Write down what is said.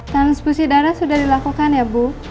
transfusi darah sudah dilakukan ya bu